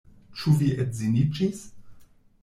Ĉu vi edziniĝis?